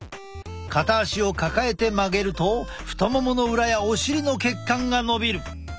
片足を抱えて曲げると太ももの裏やお尻の血管がのびる。